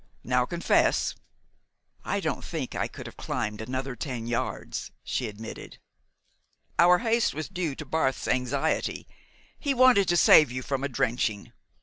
Now, confess!" "I don't think I could have climbed another ten yards," she admitted. "Our haste was due to Barth's anxiety. He wanted to save you from a drenching.